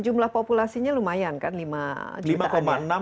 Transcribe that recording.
jumlah populasinya lumayan kan lima jutaan ya